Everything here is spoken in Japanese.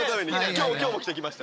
今日も着てきました。